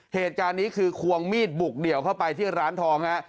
เหตุการณ์นี้คือควงมีดบุกเดี่ยวเข้าไปที่ร้านทองฮะ